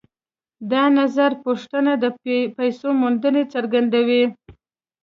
دا نظرپوښتنه د پیسو موندنې څرګندوي